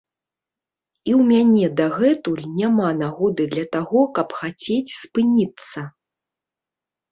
І ў мяне дагэтуль няма нагоды для таго, каб хацець спыніцца.